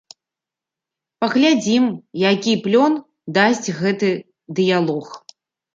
Паглядзім, які плён дасць гэты дыялог.